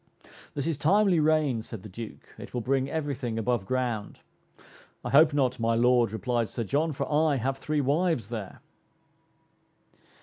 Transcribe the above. "This is timely rain," said the Duke, "it will bring every thing above ground." "I hope not, my Lord," replied Sir John, "for I have three wives there."